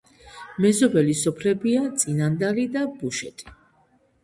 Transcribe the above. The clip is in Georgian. მეზობელი სოფლებია წინანდალი და ბუშეტი.